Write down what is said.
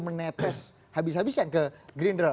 menetes habis habis yang ke gerindra